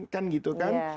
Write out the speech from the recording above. kan gitu kan